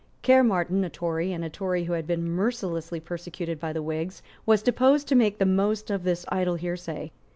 Caermarthen, a Tory, and a Tory who had been mercilessly persecuted by the Whigs, was disposed to make the most of this idle hearsay.